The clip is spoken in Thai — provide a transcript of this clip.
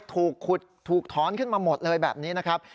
ถูกขุดถูกถอนขึ้นมาหมดเลยแบบนี้นะครับ